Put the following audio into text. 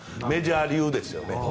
メジャー流ですよね。